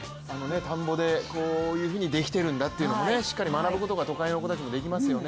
田んぼでこういうふうにできてるんだってことをしっかり学ぶことが都会の子たちもできますよね。